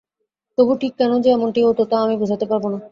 তবু ঠিক কেন যে এমনটি হত, তা আমি বোঝাতে পারব না।